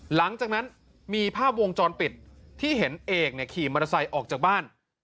หลังจากนั้นมีภาพวงจรปิดที่เห็นเอกเนี่ยขี่มอเตอร์ไซค์ออกจากบ้าน